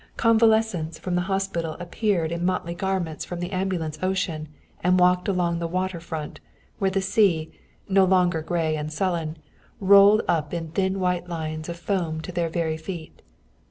Convalescents from the hospital appeared in motley garments from the Ambulance Ocean and walked along the water front, where the sea, no longer gray and sullen, rolled up in thin white lines of foam to their very feet.